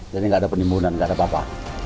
jadi nggak ada penimbunan nggak ada apa apa